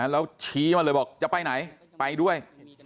แล้วชี้มาเลยบอกจะไปไหนไปด้วย